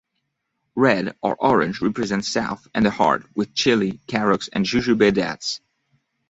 Red or orange represents South and the heart, with chilli, carrots, and jujube dates.